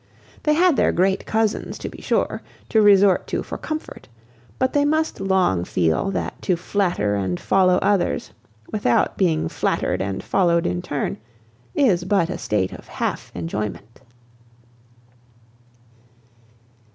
They had their great cousins, to be sure, to resort to for comfort; but they must long feel that to flatter and follow others, without being flattered and followed in turn, is but a state of half enjoyment.